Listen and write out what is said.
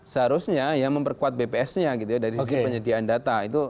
seharusnya ya memperkuat bpsnya gitu ya dari penyediaan data itu